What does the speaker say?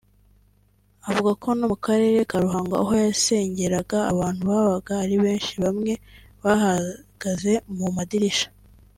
Avuga ko no mu karere ka Ruhango aho yasengeraga abantu babaga ari benshi bamwe bahagaze mu madirisha